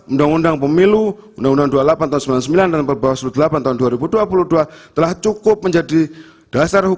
undang undang pemilu undang undang dua puluh delapan tahun seribu sembilan ratus sembilan puluh sembilan dan perbawah seluruh delapan tahun dua ribu dua puluh dua telah cukup menjadi dasar hukum